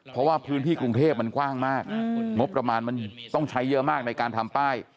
เพราะว่าพื้นที่กรุงเทพมันกว้างมากงบประมาณมันต้องใช้เยอะมากในการทำป้าย